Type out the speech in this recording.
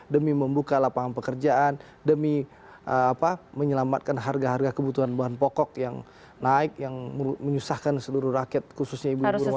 demi membuka lapangan pekerjaan demi menyelamatkan harga harga kebutuhan bahan pokok yang naik yang menyusahkan seluruh rakyat khususnya ibu ibu rumah tangga